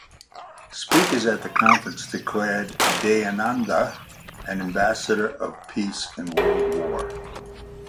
Speakers at the conference declared Dayananda an ambassador of peace in World War.